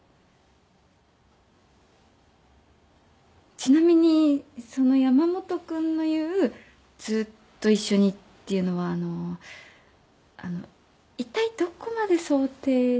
ちなみにその山本君の言うずっと一緒にっていうのはあのあのいったいどこまで想定して。